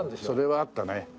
それはあったね。